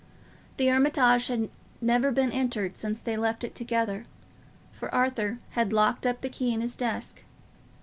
The Hermitage had never been entered since they left it together, for Arthur had locked up the key in his desk.